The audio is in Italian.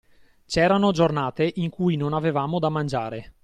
C'erano giornate in cui non avevamo da mangiare.